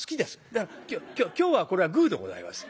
だから今日はこれはグーでございます。